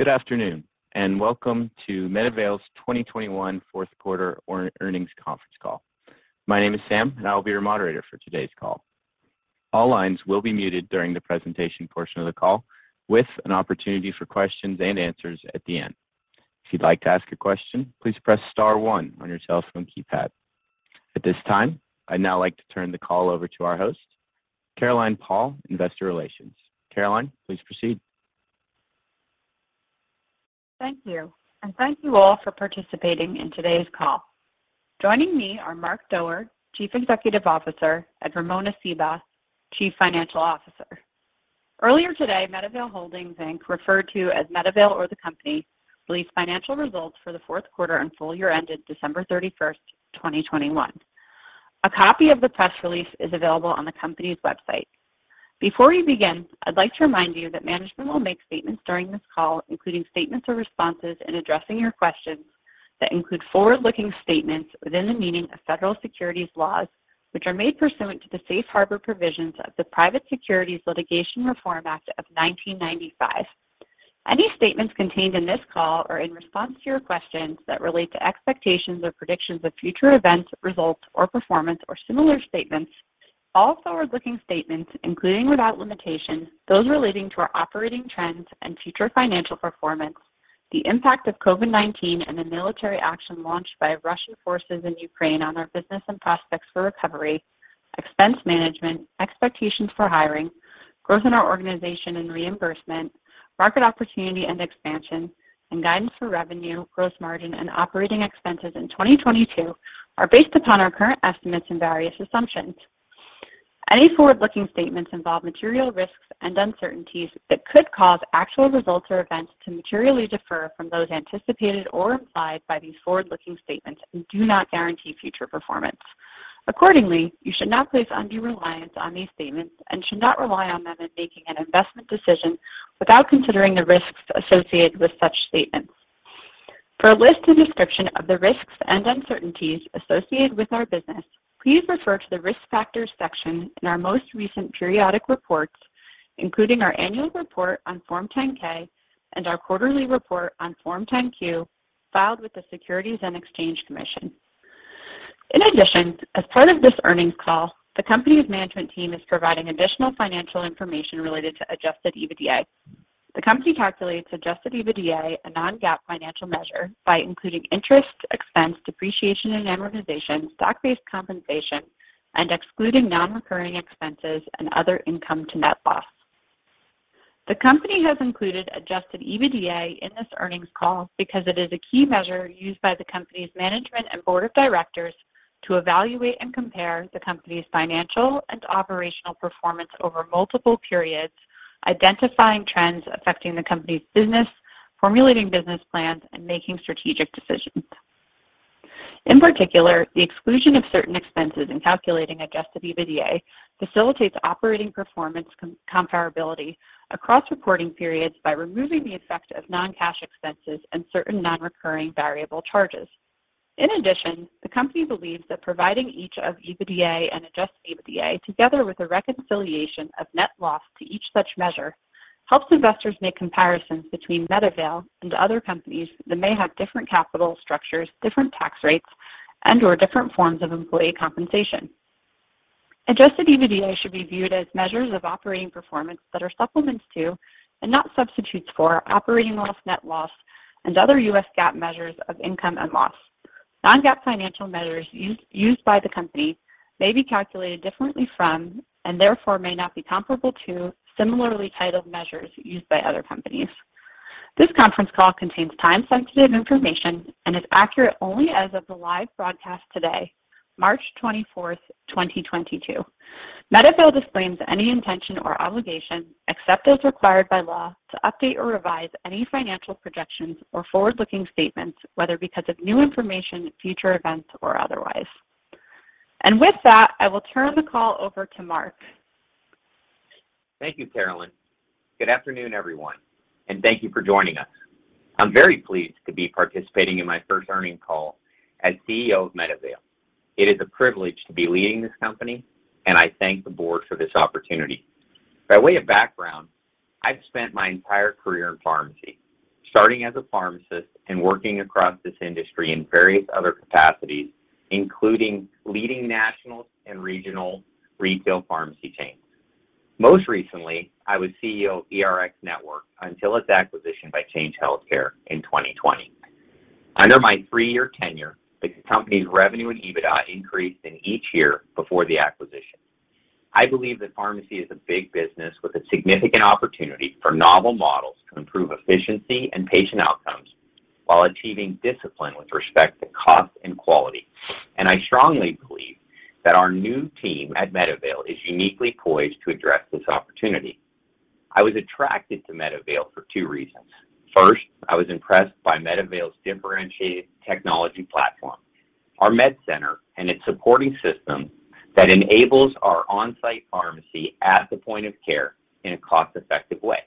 Good afternoon, and welcome to MedAvail's 2021 fourth quarter earnings conference call. My name is Sam, and I will be your moderator for today's call. All lines will be muted during the presentation portion of the call, with an opportunity for questions and answers at the end. If you'd like to ask a question, please press star one on your telephone keypad. At this time, I'd now like to turn the call over to our host, Caroline Paul, investor relations. Caroline, please proceed. Thank you. Thank you all for participating in today's call. Joining me are Mark Doerr, Chief Executive Officer, and Ramona Seabaugh, Chief Financial Officer. Earlier today, MedAvail Holdings, Inc., referred to as MedAvail or the company, released financial results for the fourth quarter and full year ended December 31, 2021. A copy of the press release is available on the company's website. Before we begin, I'd like to remind you that management will make statements during this call, including statements or responses in addressing your questions that include forward-looking statements within the meaning of federal securities laws, which are made pursuant to the Safe Harbor provisions of the Private Securities Litigation Reform Act of 1995. Any statements contained in this call or in response to your questions that relate to expectations or predictions of future events, results or performance or similar statements, all forward-looking statements, including without limitation, those relating to our operating trends and future financial performance, the impact of COVID-19 and the military action launched by Russian forces in Ukraine on our business and prospects for recovery, expense management, expectations for hiring, growth in our organization and reimbursement, market opportunity and expansion, and guidance for revenue, gross margin, and operating expenses in 2022 are based upon our current estimates and various assumptions. Any forward-looking statements involve material risks and uncertainties that could cause actual results or events to materially differ from those anticipated or implied by these forward-looking statements and do not guarantee future performance. Accordingly, you should not place undue reliance on these statements and should not rely on them in making an investment decision without considering the risks associated with such statements. For a list and description of the risks and uncertainties associated with our business, please refer to the Risk Factors section in our most recent periodic reports, including our annual report on Form 10-K and our quarterly report on Form 10-Q filed with the Securities and Exchange Commission. In addition, as part of this earnings call, the company's management team is providing additional financial information related to adjusted EBITDA. The company calculates adjusted EBITDA, a non-GAAP financial measure, by including interest expense, depreciation, and amortization, stock-based compensation, and excluding non-recurring expenses and other income to net loss. The company has included adjusted EBITDA in this earnings call because it is a key measure used by the company's management and board of directors to evaluate and compare the company's financial and operational performance over multiple periods, identifying trends affecting the company's business, formulating business plans, and making strategic decisions. In particular, the exclusion of certain expenses in calculating adjusted EBITDA facilitates operating performance comparability across reporting periods by removing the effect of non-cash expenses and certain non-recurring variable charges. In addition, the company believes that providing each of EBITDA and adjusted EBITDA, together with a reconciliation of net loss to each such measure, helps investors make comparisons between MedAvail and other companies that may have different capital structures, different tax rates, and/or different forms of employee compensation. Adjusted EBITDA should be viewed as measures of operating performance that are supplements to, and not substitutes for, operating loss, net loss, and other U.S. GAAP measures of income and loss. Non-GAAP financial measures used by the company may be calculated differently from, and therefore may not be comparable to, similarly titled measures used by other companies. This conference call contains time-sensitive information and is accurate only as of the live broadcast today, March 24, 2022. MedAvail disclaims any intention or obligation, except as required by law, to update or revise any financial projections or forward-looking statements, whether because of new information, future events, or otherwise. With that, I will turn the call over to Mark. Thank you, Caroline. Good afternoon, everyone, and thank you for joining us. I'm very pleased to be participating in my first earnings call as CEO of MedAvail. It is a privilege to be leading this company, and I thank the board for this opportunity. By way of background, I've spent my entire career in pharmacy, starting as a pharmacist and working across this industry in various other capacities, including leading national and regional retail pharmacy chains. Most recently, I was CEO of eRx Network until its acquisition by Change Healthcare in 2020. Under my three-year tenure, the company's revenue and EBITDA increased in each year before the acquisition. I believe that pharmacy is a big business with a significant opportunity for novel models to improve efficiency and patient outcomes while achieving discipline with respect to cost and quality. I strongly believe that our new team at MedAvail is uniquely poised to address this opportunity. I was attracted to MedAvail for two reasons. First, I was impressed by MedAvail's differentiated technology platform, our MedCenter and its supporting system that enables our on-site pharmacy at the point of care in a cost-effective way.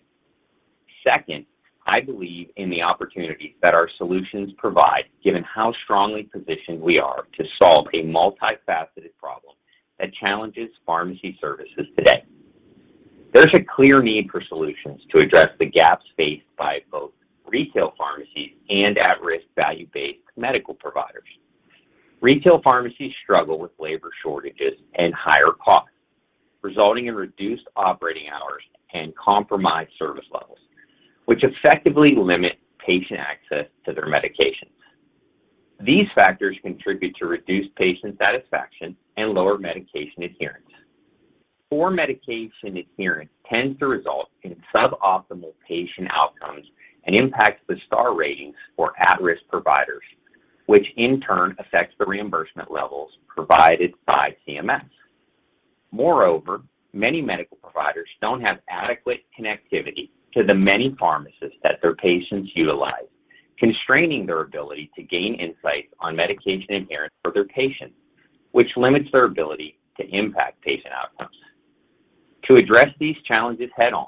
Second, I believe in the opportunities that our solutions provide, given how strongly positioned we are to solve a multifaceted problem that challenges pharmacy services today. There's a clear need for solutions to address the gaps faced by both retail pharmacies and at-risk value-based medical providers. Retail pharmacies struggle with labor shortages and higher costs, resulting in reduced operating hours and compromised service levels, which effectively limit patient access to their medications. These factors contribute to reduced patient satisfaction and lower medication adherence. Poor medication adherence tends to result in suboptimal patient outcomes and impacts the Star Ratings for at-risk providers, which in turn affects the reimbursement levels provided by CMS. Moreover, many medical providers don't have adequate connectivity to the many pharmacists that their patients utilize, constraining their ability to gain insights on medication adherence for their patients, which limits their ability to impact patient outcomes. To address these challenges head-on,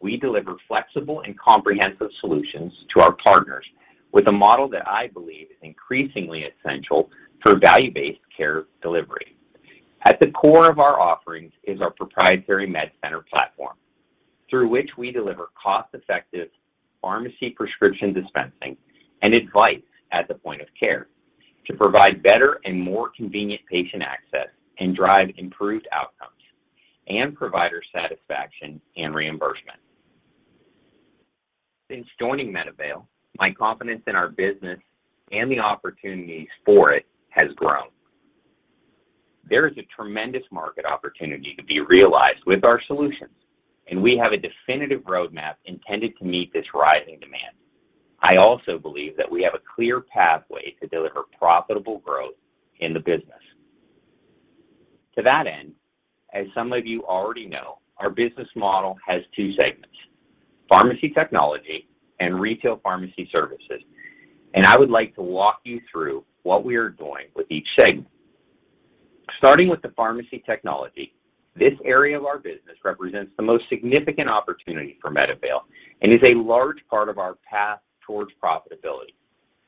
we deliver flexible and comprehensive solutions to our partners with a model that I believe is increasingly essential for value-based care delivery. At the core of our offerings is our proprietary MedCenter platform, through which we deliver cost-effective pharmacy prescription dispensing and advice at the point of care to provide better and more convenient patient access and drive improved outcomes and provider satisfaction and reimbursement. Since joining MedAvail, my confidence in our business and the opportunities for it has grown. There is a tremendous market opportunity to be realized with our solutions, and we have a definitive roadmap intended to meet this rising demand. I also believe that we have a clear pathway to deliver profitable growth in the business. To that end, as some of you already know, our business model has two segments, pharmacy technology and retail pharmacy services, and I would like to walk you through what we are doing with each segment. Starting with the pharmacy technology, this area of our business represents the most significant opportunity for MedAvail and is a large part of our path towards profitability.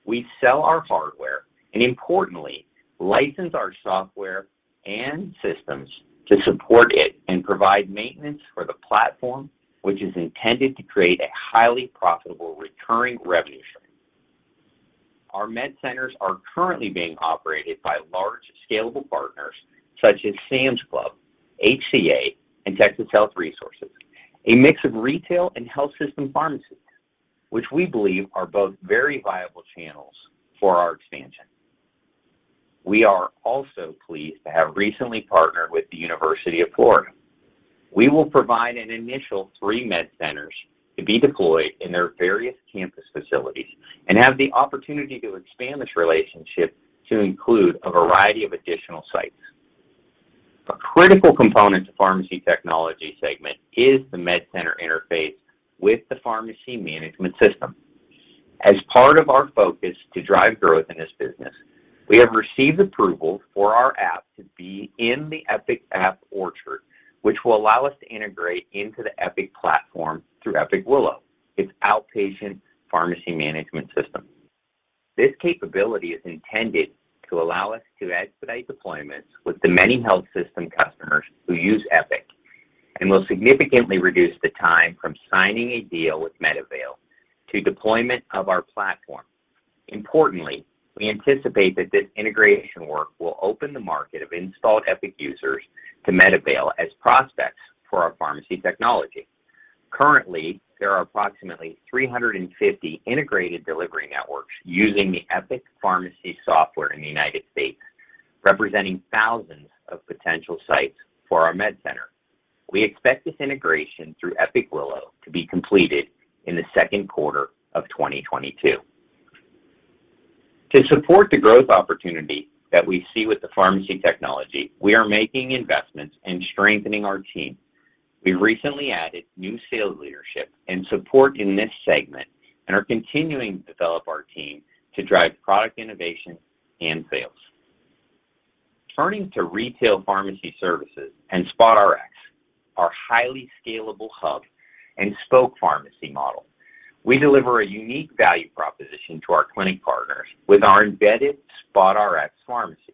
We sell our hardware and importantly, license our software and systems to support it and provide maintenance for the platform, which is intended to create a highly profitable recurring revenue stream. Our MedCenters are currently being operated by large scalable partners such as Sam's Club, HCA, and Texas Health Resources, a mix of retail and health system pharmacies, which we believe are both very viable channels for our expansion. We are also pleased to have recently partnered with the University of Florida. We will provide an initial three MedCenters to be deployed in their various campus facilities and have the opportunity to expand this relationship to include a variety of additional sites. A critical component to pharmacy technology segment is the MedCenter interface with the pharmacy management system. As part of our focus to drive growth in this business, we have received approval for our app to be in the Epic App Orchard, which will allow us to integrate into the Epic platform through Epic Willow, its outpatient pharmacy management system. This capability is intended to allow us to expedite deployments with the many health system customers who use Epic and will significantly reduce the time from signing a deal with MedAvail to deployment of our platform. Importantly, we anticipate that this integration work will open the market of installed Epic users to MedAvail as prospects for our pharmacy technology. Currently, there are approximately 350 integrated delivery networks using the Epic Pharmacy software in the United States, representing thousands of potential sites for our MedCenter. We expect this integration through Epic Willow to be completed in the second quarter of 2022. To support the growth opportunity that we see with the pharmacy technology, we are making investments and strengthening our team. We recently added new sales leadership and support in this segment and are continuing to develop our team to drive product innovation and sales. Turning to retail pharmacy services and SpotRx, our highly scalable hub-and-spoke pharmacy model. We deliver a unique value proposition to our clinic partners with our embedded SpotRx pharmacy,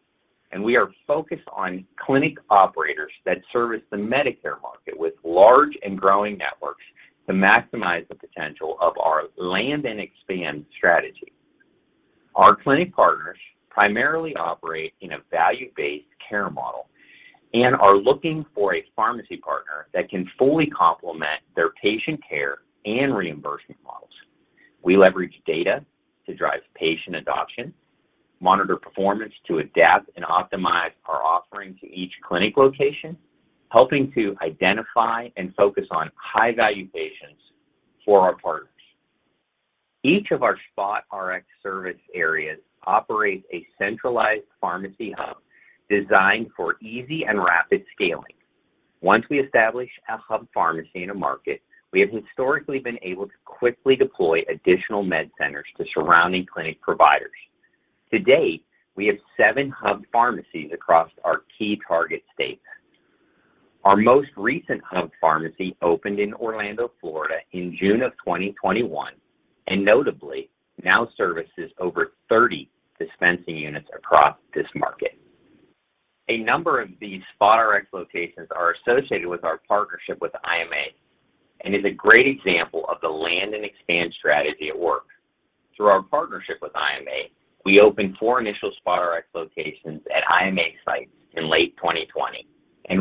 and we are focused on clinic operators that service the Medicare market with large and growing networks to maximize the potential of our land and expand strategy. Our clinic partners primarily operate in a value-based care model and are looking for a pharmacy partner that can fully complement their patient care and reimbursement models. We leverage data to drive patient adoption, monitor performance to adapt and optimize our offering to each clinic location, helping to identify and focus on high-value patients for our partners. Each of our SpotRx service areas operates a centralized pharmacy hub designed for easy and rapid scaling. Once we establish a hub pharmacy in a market, we have historically been able to quickly deploy additional MedCenters to surrounding clinic providers. To date, we have seven hub pharmacies across our key target states. Our most recent hub pharmacy opened in Orlando, Florida in June of 2021. Notably, now services over 30 dispensing units across this market. A number of these SpotRx locations are associated with our partnership with IMA and is a great example of the land and expand strategy at work. Through our partnership with IMA, we opened four initial SpotRx locations at IMA sites in late 2020.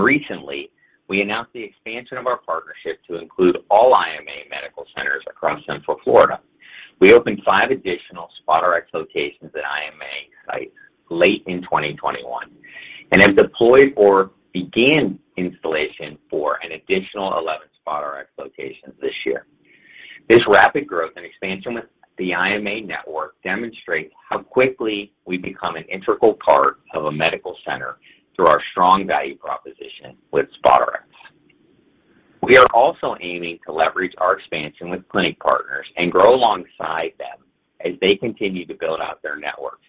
Recently, we announced the expansion of our partnership to include all IMA medical centers across Central Florida. We opened five additional SpotRx locations at IMA sites late in 2021 and have deployed or began installation for an additional 11 SpotRx locations this year. This rapid growth and expansion with the IMA network demonstrates how quickly we become an integral part of a medical center through our strong value proposition with SpotRx. We are also aiming to leverage our expansion with clinic partners and grow alongside them as they continue to build out their networks.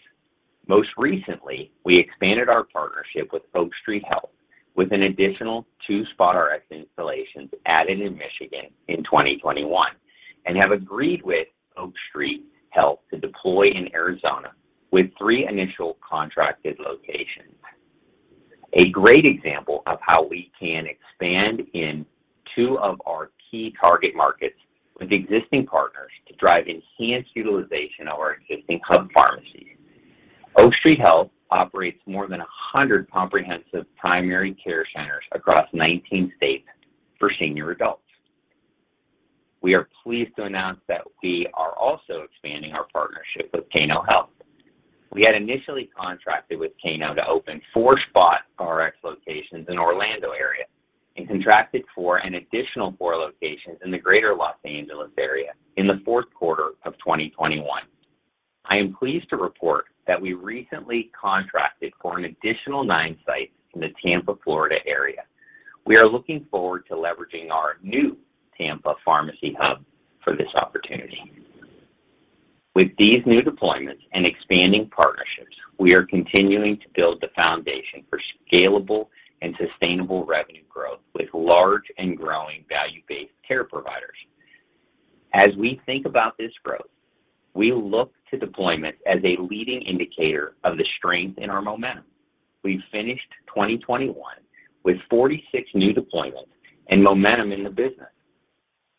Most recently, we expanded our partnership with Oak Street Health with an additional two SpotRx installations added in Michigan in 2021 and have agreed with Oak Street Health to deploy in Arizona with three initial contracted locations. A great example of how we can expand in two of our key target markets with existing partners to drive enhanced utilization of our existing hub pharmacy. Oak Street Health operates more than 100 comprehensive primary care centers across 19 states for senior adults. We are pleased to announce that we are also expanding our partnership with Cano Health. We had initially contracted with Cano Health to open four SpotRx locations in Orlando area and contracted for an additional four locations in the Greater Los Angeles area in the fourth quarter of 2021. I am pleased to report that we recently contracted for an additional nine sites in the Tampa, Florida area. We are looking forward to leveraging our new Tampa pharmacy hub for this opportunity. With these new deployments and expanding partnerships, we are continuing to build the foundation for scalable and sustainable revenue growth with large and growing value-based care providers. As we think about this growth, we look to deployments as a leading indicator of the strength in our momentum. We finished 2021 with 46 new deployments and momentum in the business.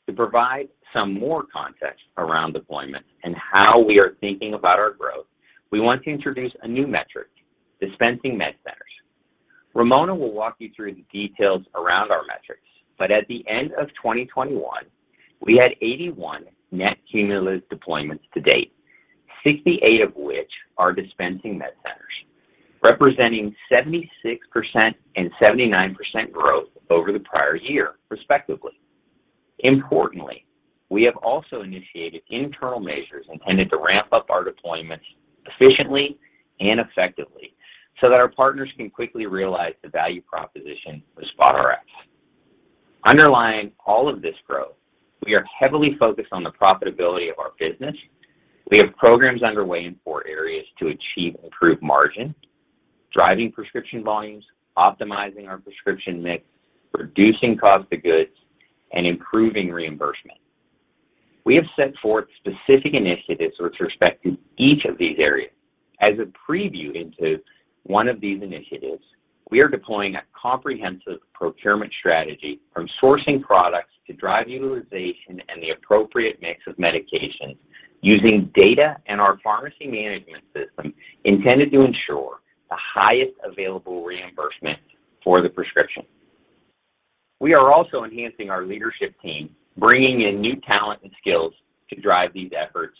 To provide some more context around deployments and how we are thinking about our growth, we want to introduce a new metric, dispensing MedCenters. Ramona will walk you through the details around our metrics, but at the end of 2021, we had 81 net cumulative deployments to date, 68 of which are dispensing MedCenters, representing 76% and 79% growth over the prior year, respectively. Importantly, we have also initiated internal measures intended to ramp up our deployments efficiently and effectively so that our partners can quickly realize the value proposition for SpotRx. Underlying all of this growth, we are heavily focused on the profitability of our business. We have programs underway in four areas to achieve improved margin, driving prescription volumes, optimizing our prescription mix, reducing cost of goods, and improving reimbursement. We have set forth specific initiatives with respect to each of these areas. As a preview into one of these initiatives, we are deploying a comprehensive procurement strategy from sourcing products to drive utilization and the appropriate mix of medications using data and our pharmacy management system intended to ensure the highest available reimbursement for the prescription. We are also enhancing our leadership team, bringing in new talent and skills to drive these efforts,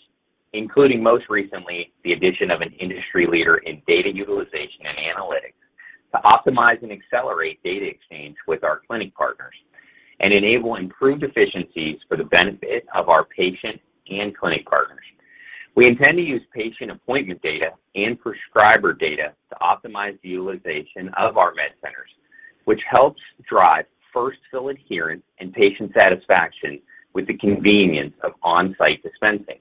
including most recently the addition of an industry leader in data utilization and analytics to optimize and accelerate data exchange with our clinic partners and enable improved efficiencies for the benefit of our patient and clinic partners. We intend to use patient appointment data and prescriber data to optimize the utilization of our MedCenters, which helps drive first fill adherence and patient satisfaction with the convenience of on-site dispensing.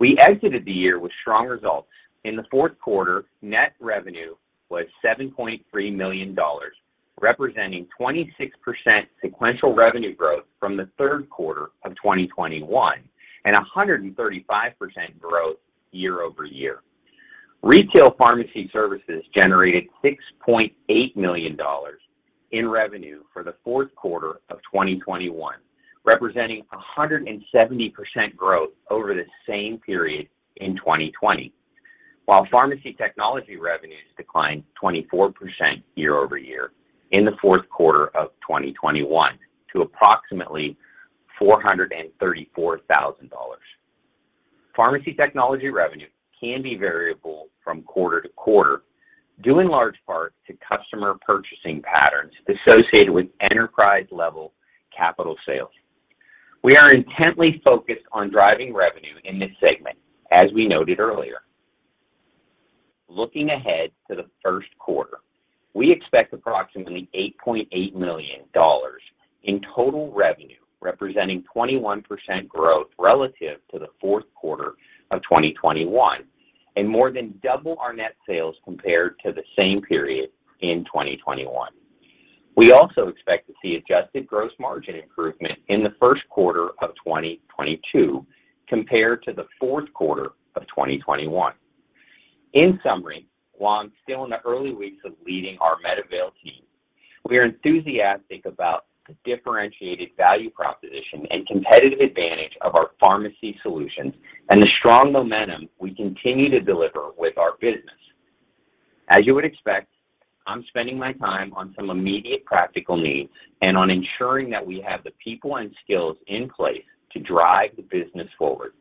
We exited the year with strong results. In the fourth quarter, net revenue was $7.3 million, representing 26% sequential revenue growth from the third quarter of 2021 and 135% growth year-over-year. Retail pharmacy services generated $6.8 million in revenue for the fourth quarter of 2021, representing 170% growth over the same period in 2020, while pharmacy technology revenues declined 24% year-over-year in the fourth quarter of 2021 to approximately $434,000. Pharmacy technology revenue can be variable from quarter to quarter, due in large part to customer purchasing patterns associated with enterprise-level capital sales. We are intently focused on driving revenue in this segment, as we noted earlier. Looking ahead to the first quarter, we expect approximately $8.8 million in total revenue, representing 21% growth relative to the fourth quarter of 2021 and more than double our net sales compared to the same period in 2021. We also expect to see adjusted gross margin improvement in the first quarter of 2022 compared to the fourth quarter of 2021. In summary, while I'm still in the early weeks of leading our MedAvail team, we are enthusiastic about the differentiated value proposition and competitive advantage of our pharmacy solutions and the strong momentum we continue to deliver with our business. As you would expect, I'm spending my time on some immediate practical needs and on ensuring that we have the people and skills in place to drive the business forward.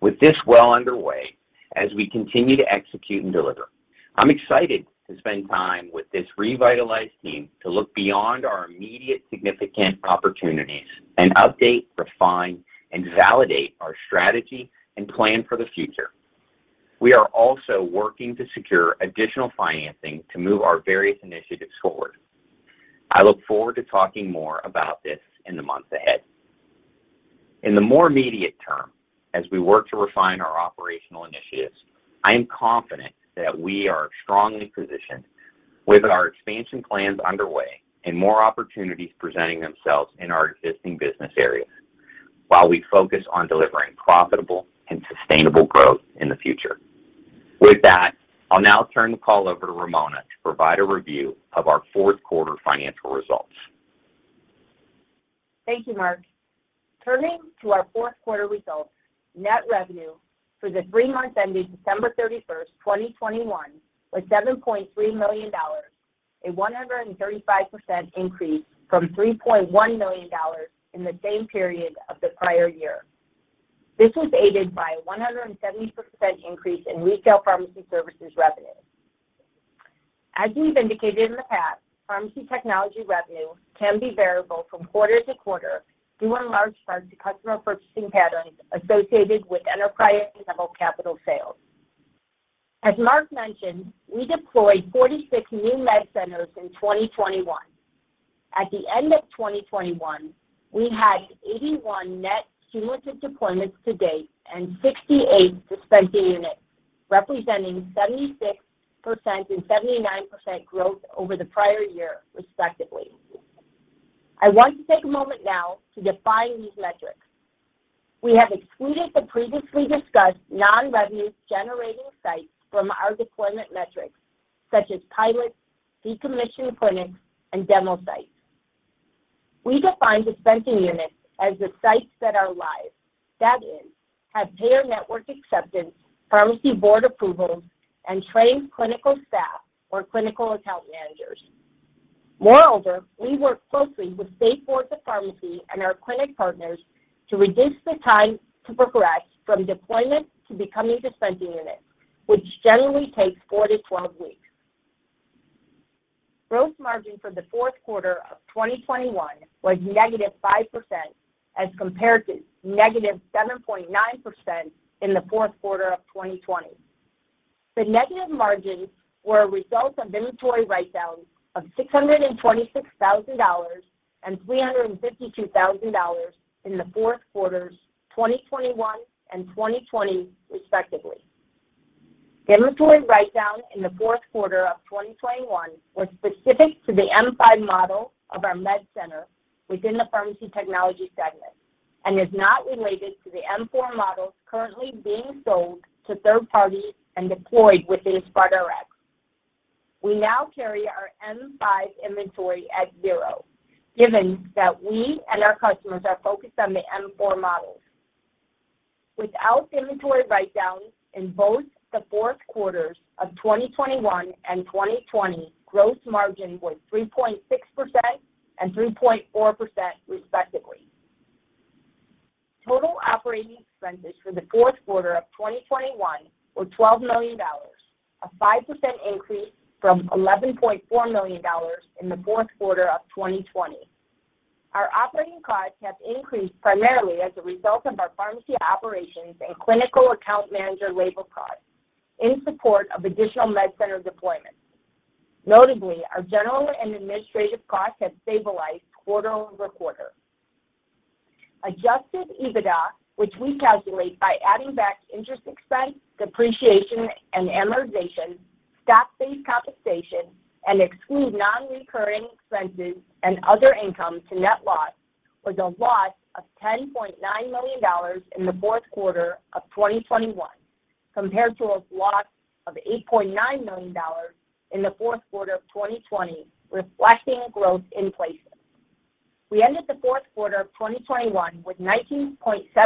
With this well underway, as we continue to execute and deliver, I'm excited to spend time with this revitalized team to look beyond our immediate significant opportunities and update, refine, and validate our strategy and plan for the future. We are also working to secure additional financing to move our various initiatives forward. I look forward to talking more about this in the months ahead. In the more immediate term, as we work to refine our operational initiatives, I am confident that we are strongly positioned with our expansion plans underway and more opportunities presenting themselves in our existing business areas while we focus on delivering profitable and sustainable growth in the future. With that, I'll now turn the call over to Ramona to provide a review of our fourth quarter financial results. Thank you, Mark. Turning to our fourth quarter results, net revenue for the three months ending December 31, 2021 was $7.3 million, a 135% increase from $3.1 million in the same period of the prior year. This was aided by a 170% increase in retail pharmacy services revenue. As we've indicated in the past, pharmacy technology revenue can be variable from quarter to quarter due in large part to customer purchasing patterns associated with enterprise-level capital sales. As Mark mentioned, we deployed 46 new MedCenters in 2021. At the end of 2021, we had 81 net cumulative deployments to date and 68 dispensing units, representing 76% and 79% growth over the prior year, respectively. I want to take a moment now to define these metrics. We have excluded the previously discussed non-revenue-generating sites from our deployment metrics, such as pilots, decommissioned clinics, and demo sites. We define dispensing units as the sites that are live. That is, have payer network acceptance, pharmacy board approvals, and trained clinical staff or clinical account managers. Moreover, we work closely with state boards of pharmacy and our clinic partners to reduce the time to progress from deployment to becoming a dispensing unit, which generally takes four to 12 weeks. Gross margin for the fourth quarter of 2021 was -5% as compared to -7.9% in the fourth quarter of 2020. The negative margins were a result of inventory write-downs of $626,000 and $352,000 in the fourth quarters 2021 and 2020, respectively. Inventory write-down in the fourth quarter of 2021 was specific to the M5 model of our MedCenter within the pharmacy technology segment and is not related to the M4 models currently being sold to third parties and deployed within SpotRx. We now carry our M5 inventory at zero, given that we and our customers are focused on the M4 models. Without the inventory write-down in both the fourth quarters of 2021 and 2020, gross margin was 3.6% and 3.4%, respectively. Total operating expenses for the fourth quarter of 2021 were $12 million, a 5% increase from $11.4 million in the fourth quarter of 2020. Our operating costs have increased primarily as a result of our pharmacy operations and clinical account manager labor costs in support of additional MedCenter deployments. Notably, our general and administrative costs have stabilized quarter-over-quarter. Adjusted EBITDA, which we calculate by adding back interest expense, depreciation and amortization, stock-based compensation, and exclude non-recurring expenses and other income to net loss, was a loss of $10.9 million in the fourth quarter of 2021, compared to a loss of $8.9 million in the fourth quarter of 2020, reflecting growth in places. We ended the fourth quarter of 2021 with $19.7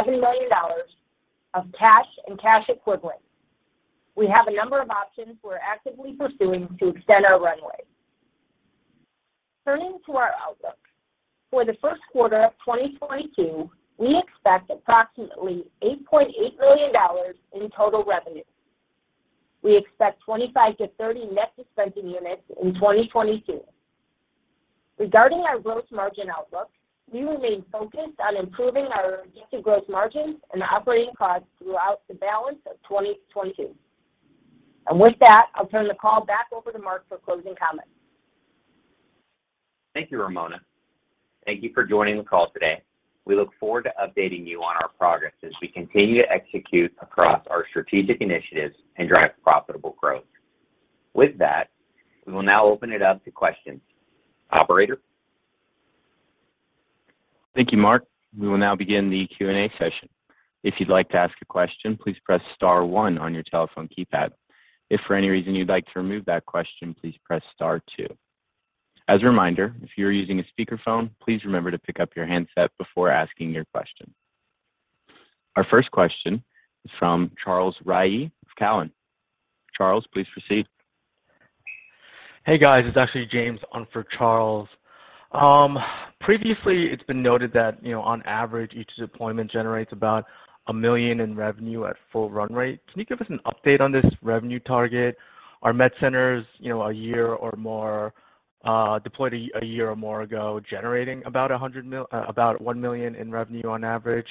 million of cash and cash equivalents. We have a number of options we're actively pursuing to extend our runway. Turning to our outlook. For the first quarter of 2022, we expect approximately $8.8 million in total revenue. We expect 25-30 net dispensing units in 2022. Regarding our growth margin outlook, we remain focused on improving our adjusted gross margins and operating costs throughout the balance of 2022. With that, I'll turn the call back over to Mark for closing comments. Thank you, Ramona. Thank you for joining the call today. We look forward to updating you on our progress as we continue to execute across our strategic initiatives and drive profitable growth. With that, we will now open it up to questions. Operator? Thank you, Mark. We will now begin the Q&A session. If you'd like to ask a question, please press star one on your telephone keypad. If for any reason you'd like to remove that question, please press star two. As a reminder, if you are using a speakerphone, please remember to pick up your handset before asking your question. Our first question is from Charles Rhyee of Cowen. Charles, please proceed. Hey, guys. It's actually James on for Charles. Previously it's been noted that, you know, on average, each deployment generates about $1 million in revenue at full run rate. Can you give us an update on this revenue target? Are MedCenters, you know, a year or more deployed a year or more ago, generating about $1 million in revenue on average?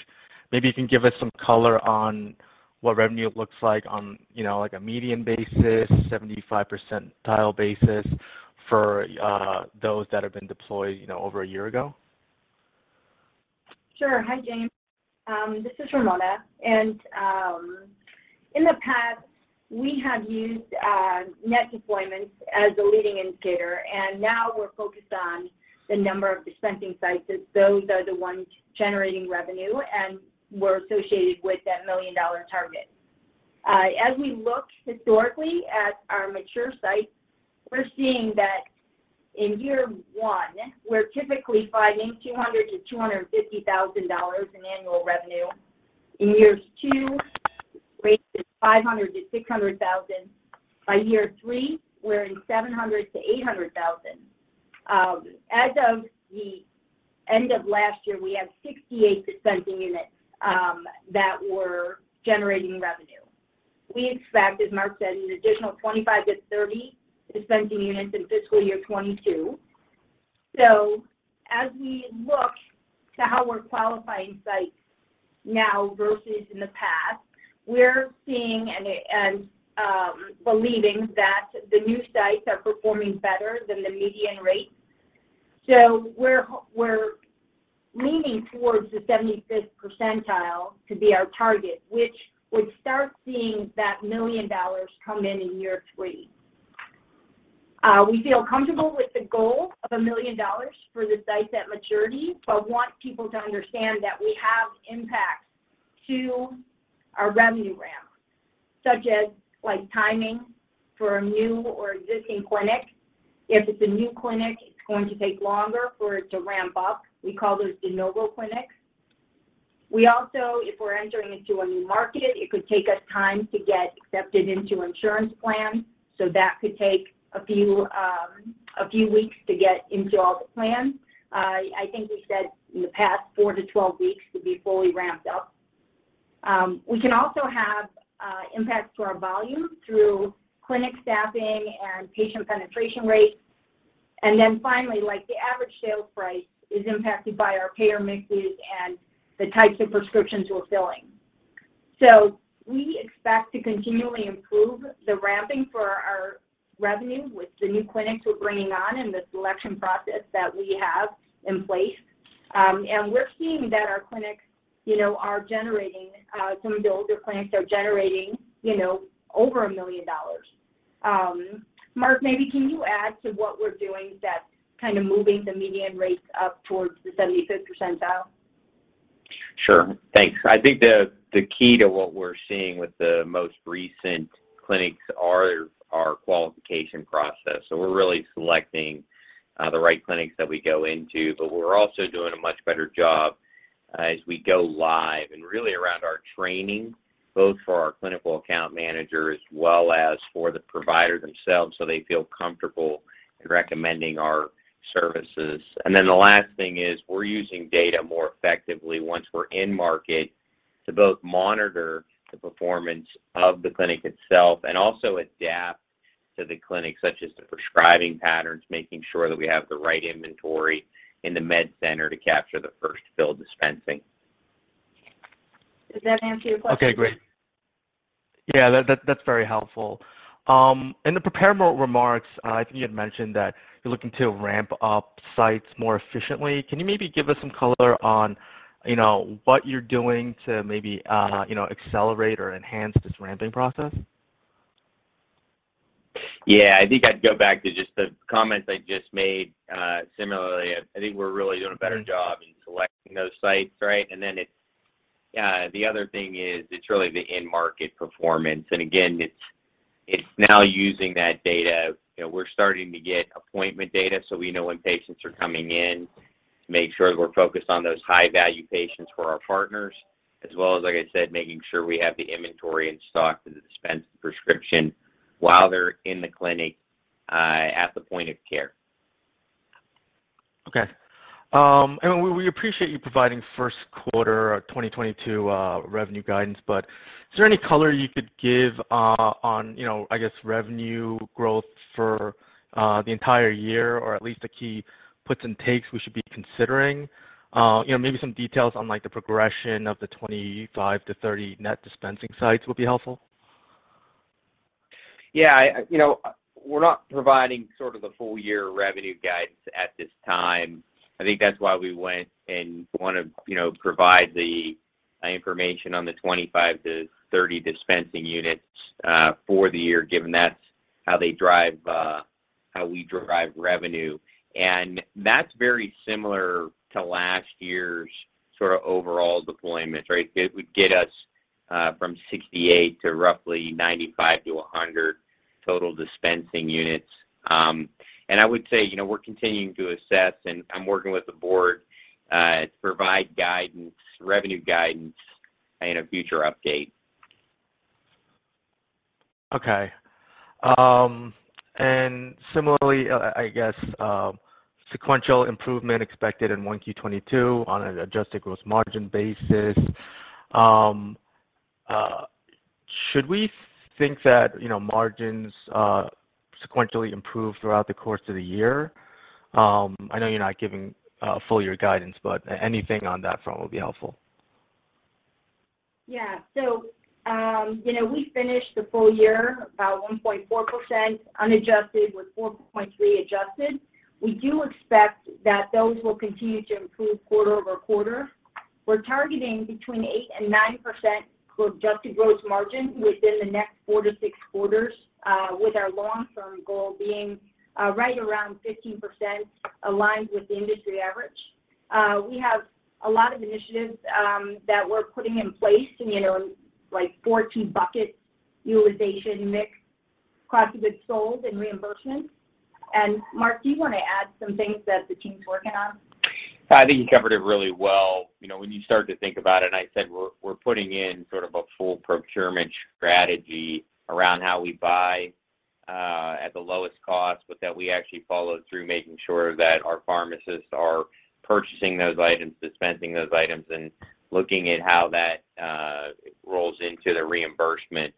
Maybe you can give us some color on what revenue looks like on, you know, like, a median basis, 75th percentile basis for those that have been deployed, you know, over a year ago. Sure. Hi, James. This is Ramona. In the past, we have used net deployments as a leading indicator, and now we're focused on the number of dispensing sites, as those are the ones generating revenue and were associated with that $1 million target. As we look historically at our mature sites, we're seeing that in year one, we're typically finding $200,000-$250,000 in annual revenue. In years two, range is $500,000-$600,000. By year three, we're in $700,000-$800,000. As of the end of last year, we had 68 dispensing units that were generating revenue. We expect, as Mark said, an additional 25-30 dispensing units in fiscal year 2022. As we look to how we're qualifying sites now versus in the past, we're seeing and believing that the new sites are performing better than the median rate. We're leaning towards the 75th percentile to be our target, which would start seeing that $1 million come in in year 3. We feel comfortable with the goal of $1 million for the sites at maturity, but want people to understand that we have impacts to our revenue ramp, such as, like, timing for a new or existing clinic. If it's a new clinic, it's going to take longer for it to ramp up. We call those de novo clinics. We also, if we're entering into a new market, it could take us time to get accepted into insurance plans, so that could take a few weeks to get into all the plans. I think we said in the past, four to 12 weeks to be fully ramped up. We can also have impacts to our volume through clinic staffing and patient penetration rates. Finally, like, the average sales price is impacted by our payer mixes and the types of prescriptions we're filling. We expect to continually improve the ramping for our revenue with the new clinics we're bringing on and the selection process that we have in place. We're seeing that our clinics, you know, are generating, some of the older clinics are generating, you know, over $1 million. Mark, maybe can you add to what we're doing that's kind of moving the median rates up towards the 75th percentile? Sure. Thanks. I think the key to what we're seeing with the most recent clinics are our qualification process. We're really selecting the right clinics that we go into, but we're also doing a much better job as we go live and really around our training, both for our clinical account manager as well as for the provider themselves, so they feel comfortable in recommending our services. Then the last thing is we're using data more effectively once we're in market to both monitor the performance of the clinic itself and also adapt to the clinic, such as the prescribing patterns, making sure that we have the right inventory in the MedCenter to capture the first fill dispensing. Does that answer your question? Okay, great. Yeah, that's very helpful. In the prepared remarks, I think you had mentioned that you're looking to ramp up sites more efficiently. Can you maybe give us some color on, you know, what you're doing to maybe, you know, accelerate or enhance this ramping process? Yeah. I think I'd go back to just the comments I just made. Similarly, I think we're really doing a better job in selecting those sites, right? It's the other thing is it's really the end market performance. Again, it's now using that data. You know, we're starting to get appointment data so we know when patients are coming in to make sure that we're focused on those high-value patients for our partners, as well as, like I said, making sure we have the inventory in stock to dispense the prescription while they're in the clinic at the point of care. Okay. We appreciate you providing first quarter of 2022 revenue guidance, but is there any color you could give on, you know, I guess revenue growth for the entire year or at least the key puts and takes we should be considering? You know, maybe some details on, like, the progression of the 25-30 net dispensing sites would be helpful. Yeah, you know, we're not providing sort of the full year revenue guidance at this time. I think that's why we went and want to, you know, provide the information on the 25-30 dispensing units for the year, given that's how they drive how we derive revenue. That's very similar to last year's sort of overall deployments, right? It would get us from 68 to roughly 95-100 total dispensing units. I would say, you know, we're continuing to assess, and I'm working with the board to provide guidance, revenue guidance in a future update. Okay. Similarly, I guess, sequential improvement expected in 1Q 2022 on an adjusted gross margin basis. Should we think that, you know, margins sequentially improve throughout the course of the year? I know you're not giving full year guidance, but anything on that front will be helpful. Yeah. You know, we finished the full year about 1.4% unadjusted, with 4.3% adjusted. We do expect that those will continue to improve quarter-over-quarter. We're targeting between 8%-9% for adjusted gross margin within the next four to six quarters, with our long-term goal being right around 15% aligned with the industry average. We have a lot of initiatives that we're putting in place, you know, like four key buckets, utilization, mix, cost of goods sold, and reimbursements. Mark, do you want to add some things that the team's working on? I think you covered it really well. You know, when you started to think about it, and I said we're putting in sort of a full procurement strategy around how we buy at the lowest cost, but that we actually follow through making sure that our pharmacists are purchasing those items, dispensing those items, and looking at how that rolls into the reimbursement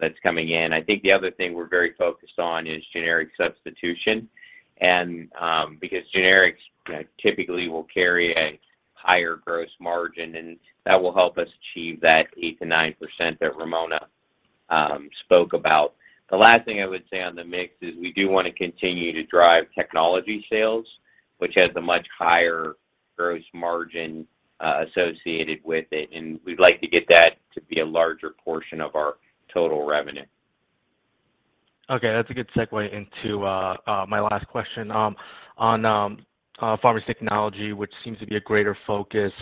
that's coming in. I think the other thing we're very focused on is generic substitution. Because generics, you know, typically will carry a higher gross margin, and that will help us achieve that 8%-9% that Ramona spoke about. The last thing I would say on the mix is we do want to continue to drive technology sales, which has a much higher gross margin associated with it, and we'd like to get that to be a larger portion of our total revenue. Okay, that's a good segue into my last question on pharmacy technology, which seems to be a greater focus.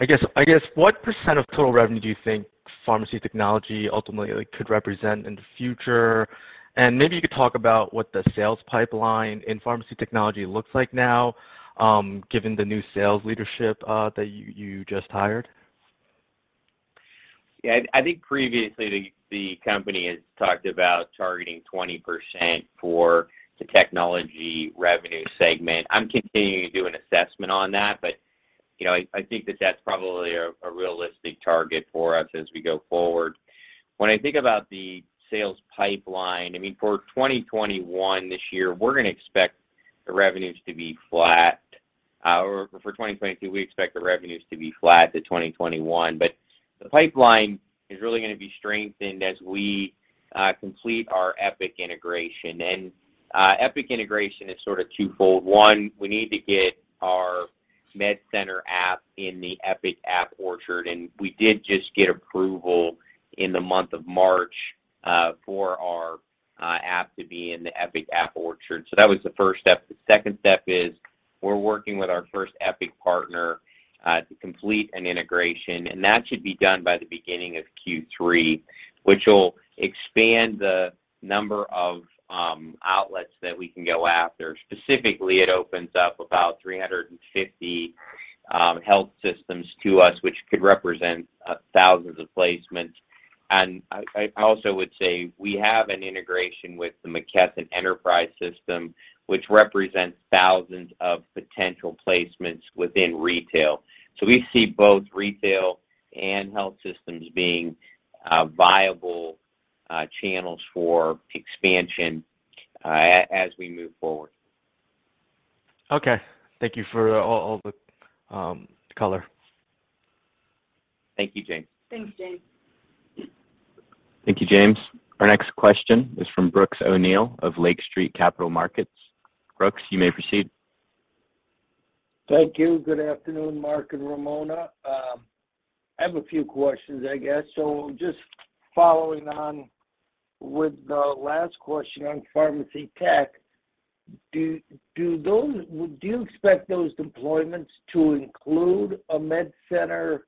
I guess what percent of total revenue do you think pharmacy technology ultimately could represent in the future? Maybe you could talk about what the sales pipeline in pharmacy technology looks like now, given the new sales leadership that you just hired. Yeah, I think previously the company has talked about targeting 20% for the technology revenue segment. I'm continuing to do an assessment on that, but, you know, I think that that's probably a realistic target for us as we go forward. When I think about the sales pipeline, I mean, for 2021 this year, we're gonna expect the revenues to be flat. For 2022, we expect the revenues to be flat to 2021. The pipeline is really gonna be strengthened as we complete our Epic integration. Epic integration is sort of twofold. One, we need to get our MedCenter app in the Epic App Orchard, and we did just get approval in the month of March for our app to be in the Epic App Orchard. So that was the first step. The second step is we're working with our first Epic partner to complete an integration, and that should be done by the beginning of Q3, which will expand the number of outlets that we can go after. Specifically, it opens up about 350 health systems to us, which could represent thousands of placements. I also would say we have an integration with the McKesson EnterpriseRx, which represents thousands of potential placements within retail. We see both retail and health systems being viable channels for expansion as we move forward. Okay. Thank you for all the color. Thank you, James. Thanks, James. Thank you, James. Our next question is from Brooks O'Neil of Lake Street Capital Markets. Brooks, you may proceed. Thank you. Good afternoon, Mark and Ramona. I have a few questions, I guess. Just following on with the last question on pharmacy tech, do you expect those deployments to include a MedCenter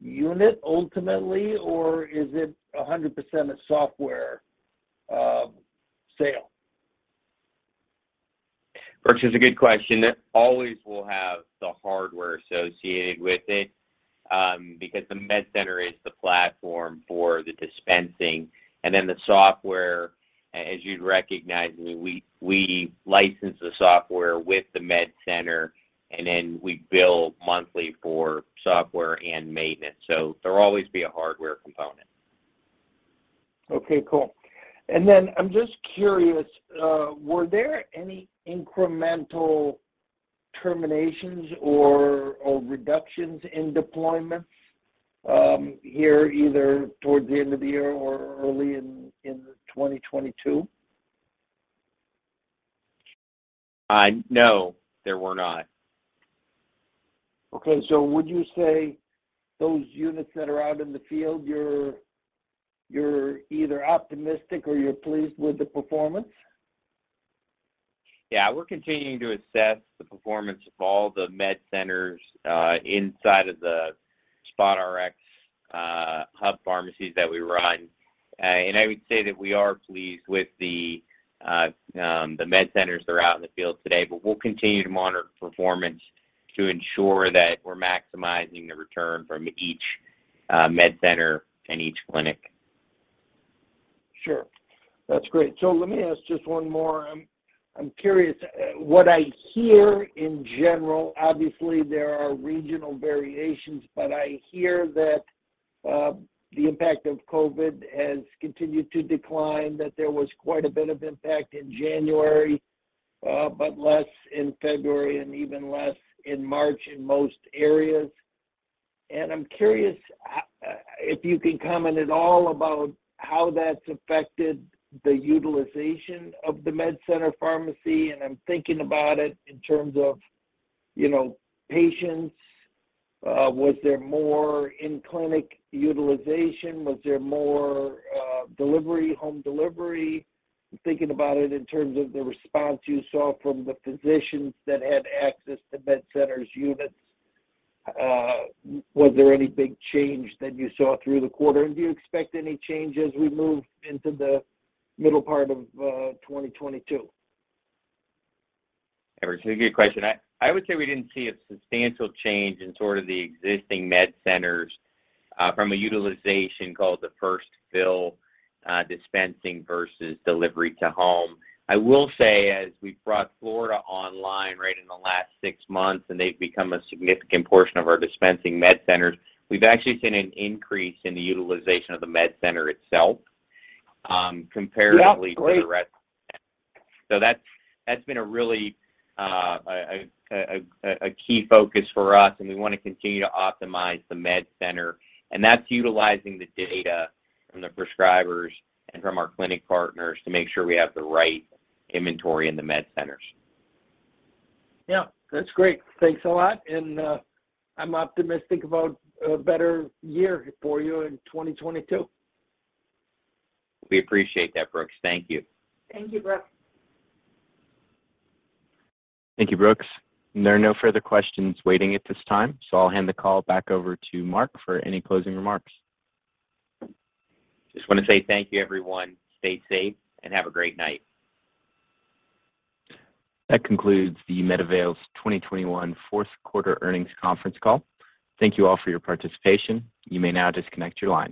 unit ultimately, or is it 100% a software sale? Brooks, it's a good question. It always will have the hardware associated with it, because the MedCenter is the platform for the dispensing. Then the software, as you'd recognize, I mean, we license the software with the MedCenter, and then we bill monthly for software and maintenance. There'll always be a hardware component. Okay, cool. I'm just curious, were there any incremental terminations or reductions in deployments here either towards the end of the year or early in 2022? No, there were not. Okay. Would you say those units that are out in the field, you're either optimistic or you're pleased with the performance? Yeah, we're continuing to assess the performance of all the MedCenters inside of the SpotRx hub pharmacies that we run. I would say that we are pleased with the MedCenters that are out in the field today, but we'll continue to monitor performance to ensure that we're maximizing the return from each MedCenter and each clinic. Sure. That's great. Let me ask just one more. I'm curious. What I hear in general, obviously, there are regional variations, but I hear that the impact of COVID has continued to decline, that there was quite a bit of impact in January, but less in February and even less in March in most areas. I'm curious if you can comment at all about how that's affected the utilization of the MedCenter pharmacy, and I'm thinking about it in terms of, you know, patients. Was there more in-clinic utilization? Was there more delivery, home delivery? I'm thinking about it in terms of the response you saw from the physicians that had access to MedCenter units. Was there any big change that you saw through the quarter? Do you expect any change as we move into the middle part of 2022? Brooks, it's a good question. I would say we didn't see a substantial change in sort of the existing MedCenters from a utilization called the first fill, dispensing versus delivery to home. I will say, as we've brought Florida online right in the last six months, and they've become a significant portion of our dispensing MedCenters, we've actually seen an increase in the utilization of the MedCenter itself, comparatively- Yeah, great.... to the rest. That's been a really key focus for us, and we wanna continue to optimize the MedCenter. That's utilizing the data from the prescribers and from our clinic partners to make sure we have the right inventory in the MedCenters. Yeah. That's great. Thanks a lot. I'm optimistic about a better year for you in 2022. We appreciate that, Brooks. Thank you. Thank you, Brooks. Thank you, Brooks. There are no further questions waiting at this time, so I'll hand the call back over to Mark for any closing remarks. Just wanna say thank you, everyone. Stay safe, and have a great night. That concludes the MedAvail's 2021 fourth quarter earnings conference call. Thank you all for your participation. You may now disconnect your line.